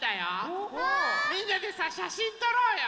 みんなでさしゃしんとろうよ。